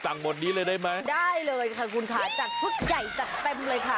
หมดนี้เลยได้ไหมได้เลยค่ะคุณค่ะจัดชุดใหญ่จัดเต็มเลยค่ะ